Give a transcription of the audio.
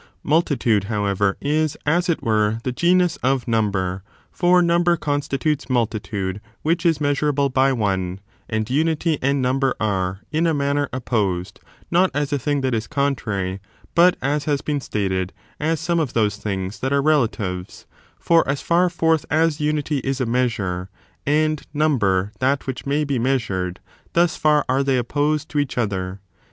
Multitude, however, is, as it were, the genus of number, for number constitutes multitude, which is mea surable by one: and unity and number are, in a manner, opposed, — ^not as a thing that is contrary, but, as has been stated, as some of those things that are relatives ; for as far forth as unity is a measure, and number that which may be measured, thus far are they opposed to each other.